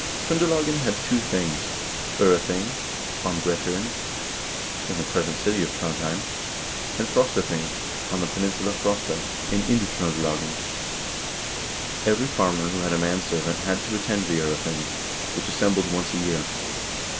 Tr0ndelagen had two things: Prething, on Brat0ren, in the present city of Trondhjem, and Frosta thing, on the peninsula Frosta, in Indtr0ndelagen. Every farmer who had a manservant had to attend the 0rething, which assembled once a year.